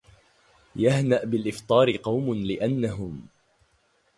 يهنأ بالإفطار قوم لأنهم